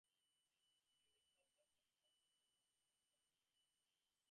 During the luteal phase, the frequency and amplitude decrease, possibly to facilitate any implantation.